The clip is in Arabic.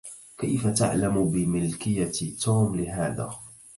كيف تعلم بملكية توم لهذا؟